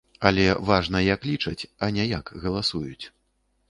Але важна, як лічаць, а не як галасуюць.